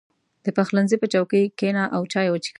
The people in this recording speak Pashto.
• د پخلنځي په چوکۍ کښېنه او چای وڅښه.